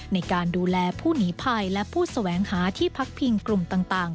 ในการดูแลผู้หนีภัยและผู้แสวงหาที่พักพิงกลุ่มต่าง